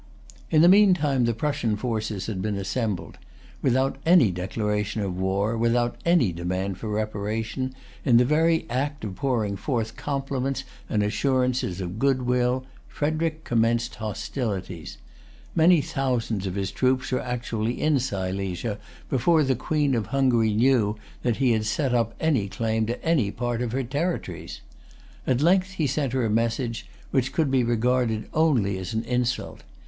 In the meantime the Prussian forces had been assembled. Without any declaration of war, without any demand for reparation, in the very act of pouring forth compliments and assurances of good will, Frederic commenced hostilities. Many thousands of his troops were actually in Silesia before the Queen of Hungary knew that he had set up any claim to any part of her territories. At length he sent her a message which could be regarded only as an insult.